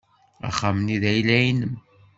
Axxam-nni d ayla-nnem.